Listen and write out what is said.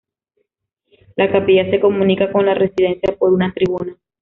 La capilla se comunica con la residencia por una tribuna.